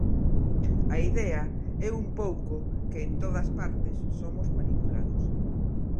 A idea é un pouco que en todas partes somos manipulados.